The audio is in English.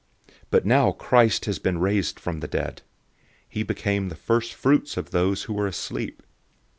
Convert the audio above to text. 015:020 But now Christ has been raised from the dead. He became the first fruits of those who are asleep.